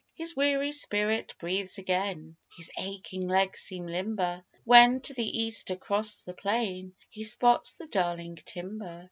His weary spirit breathes again, His aching legs seem limber When to the East across the plain He spots the Darling Timber!